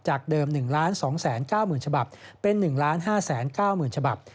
จากเดิม๑๒๙๐๐ฉบับเป็น๑๕๙๐๐ฉบับ